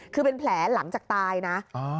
คือเป็นแผลหลังจากตายนะ